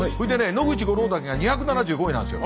野口五郎岳が２７５位なんですよ。